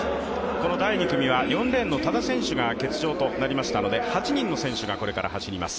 この第２組は４レーンの多田選手が欠場となりましたので８人の選手がこれから走ります。